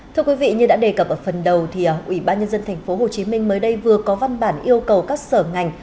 thưa quý vị như đã đề cập ở phần đầu thì ủy ban nhân dân tp hcm mới đây vừa có văn bản yêu cầu các sở ngành